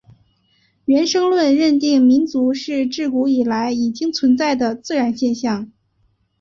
原生论认定民族是至古以来已经存在的自然现象。